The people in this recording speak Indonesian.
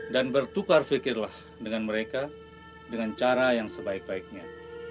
dan bertukar fikirlah dengan mereka dengan cara yang sebaik baiknya